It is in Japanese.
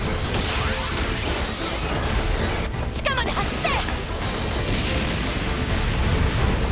地下まで走って！！